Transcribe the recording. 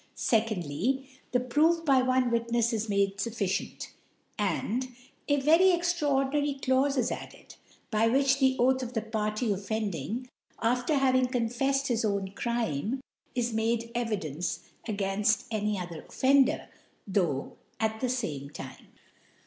2rf/y, The Proof by one Witnefs is made fufficient ; and, 3^^'J A very extraor dinary Ciaufe is added, by which the Oath 'of the Party offending, after having con fcffed his own Crime, is made Evidence agairUl any other Offender, tho' at the fame Time.